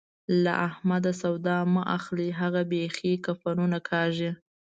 له احمده سودا مه اخلئ؛ هغه بېخي کفنونه کاږي.